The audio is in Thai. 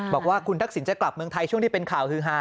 บอกว่าคุณทักษิณจะกลับเมืองไทยช่วงที่เป็นข่าวฮือฮา